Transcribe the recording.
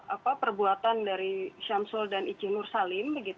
apa perbuatan dari syamsul dan icinursalim